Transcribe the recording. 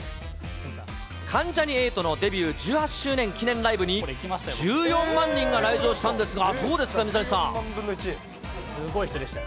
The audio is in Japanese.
関ジャニ∞のデビュー１８周年記念ライブに、１４万人が来場したんですが、すごい人でした。